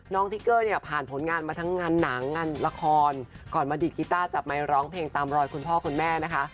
ทิเกอร์เนี่ยผ่านผลงานมาทั้งงานหนังงานละครก่อนมาดีดกีต้าจับไมค์ร้องเพลงตามรอยคุณพ่อคุณแม่นะคะ